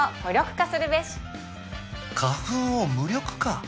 花粉を無力化？